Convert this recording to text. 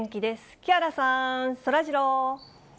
木原さん、そらジロー。